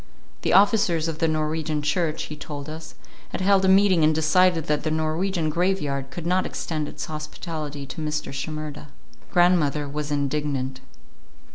The officers of the Norwegian church, he told us, had held a meeting and decided that the Norwegian graveyard could not extend its hospitality to Mr. Shimerda. Grandmother was indignant.